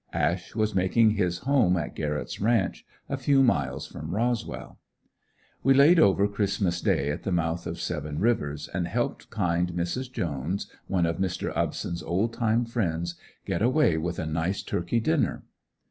Ash was making his home at Garrett's ranch, a few miles from Roswell. We laid over Christmas day at the mouth of Seven Rivers and helped kind Mrs. Jones, one of Mr. Upson's old time friends, get away with a nice turkey dinner.